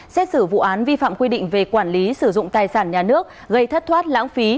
xét xử vụ án vi phạm quy định về quản lý sử dụng tài sản nhà nước gây thất thoát lãng phí